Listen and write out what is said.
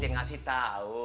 ya ngasih tau